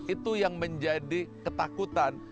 itu yang menjadi ketakutan